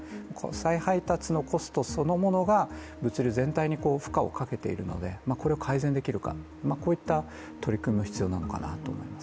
再配達のコストそのものが物流全体に負荷をかけているのでこれを改善できるか、こういった取り組みも必要なのかなと思います。